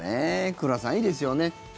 くららさん、いいですよね。